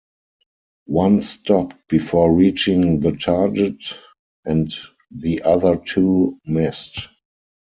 One stopped before reaching the target, and the other two missed.